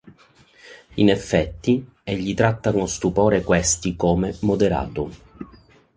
In effetti, egli tratta con stupore questi come "moderato".